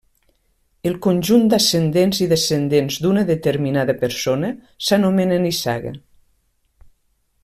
El conjunt d'ascendents i descendents d'una determinada persona s'anomena nissaga.